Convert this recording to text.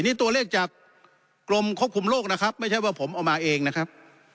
นี่ตัวเลขจากกรมควบคุมโรคนะครับไม่ใช่ว่าผมเอามาเองนะครับ